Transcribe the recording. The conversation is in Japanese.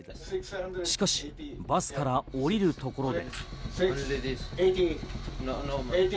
しかしバスから降りるところで。